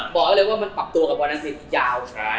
บอกได้เลยว่ามันปรับตัวกับบอนรัทรีกยาว